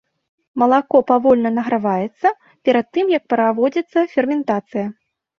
Малако павольна награваецца перад тым, як праводзіцца ферментацыя.